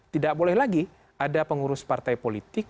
tidak boleh lagi ada pengurus partai politik